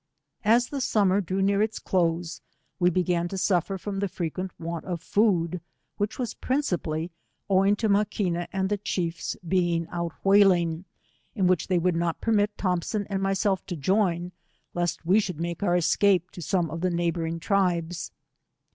As the summer drew near its close, we began to suffer from the frequent want of food, which was prin cipally owing to Maquina and the chiefs being out whaling, in which he would not permit Thompson and myself to join, lest we should make our escape to some of the neighbouring trib'es.